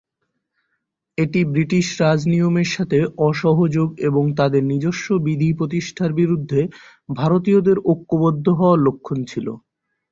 এটি ব্রিটিশ রাজ নিয়মের সাথে অসহযোগ এবং তাদের নিজস্ব বিধি প্রতিষ্ঠার বিরুদ্ধে ভারতীয়দের ঐক্যবদ্ধ হওয়ার লক্ষণ ছিল।